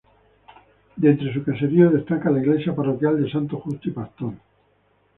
De entre su caserío destaca la iglesia parroquial de San Justo y Pastor.